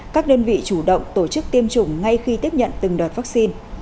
các đơn vị chủ động tổ chức tiêm chủng ngay khi tiếp nhận từng đợt vaccine